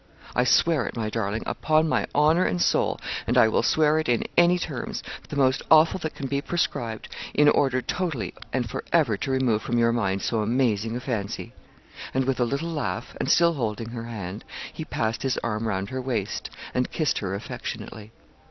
I swear it, my darling, upon my honour and soul, and I will swear it in any terms the most awful that can be prescribed in order totally and for ever to remove from your mind so amazing a fancy.' And with a little laugh, and still holding her hand, he passed his arm round her waist, and kissed her affectionately.